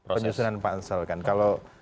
penyusunan pansel kan kalau